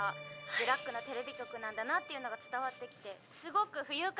ブラックなテレビ局なんだなっていうのが伝わってきてすごく不愉快でした。